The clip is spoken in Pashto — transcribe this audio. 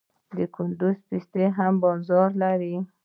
د کندز پسته هم بازار لري.